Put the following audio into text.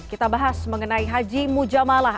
kita bahas mengenai haji mujamalah